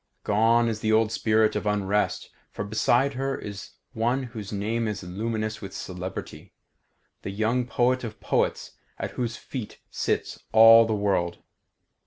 Gone is the old spirit of unrest, for beside her is one whose name is luminous with celebrity; the young poet of poets at whose feet sits all the world.